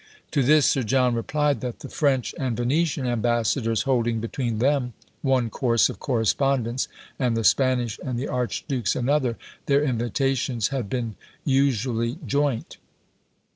To this Sir John replied, that the French and Venetian ambassadors holding between them one course of correspondence, and the Spanish and the archduke's another, their invitations had been usually joint.